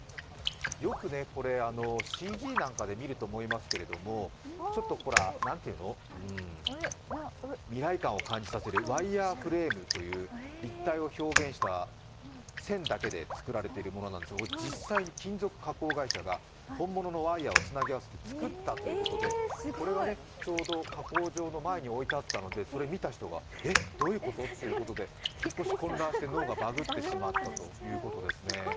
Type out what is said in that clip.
よくＣＧなんかで見ると思いますけど未来感を感じさせるワイヤーフレームという金属だけで立体を表現した線だけで作られているものなんですけど実際に金属加工会社が本物のワイヤーを使って作ったということでこれはちょうど加工場の前に置いてあったので、それを見た人がえっどういうことっていうことで少し混乱して脳がバグってしまったということですね。